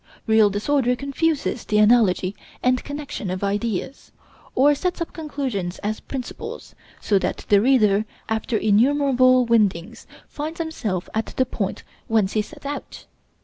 Real disorder confuses the analogy and connection of ideas; or sets up conclusions as principles, so that the reader, after innumerable windings, finds himself at the point whence he set out.